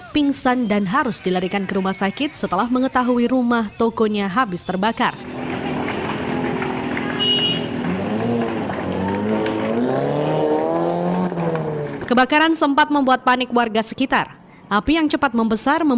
pingsan dan harus dilarikan ke rumah sakit setelah mengetahui rumah tokonya habis terbakar